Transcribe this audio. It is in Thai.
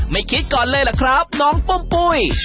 ไม่คิดก่อนเลยล่ะครับน้องปุ้มปุ้ย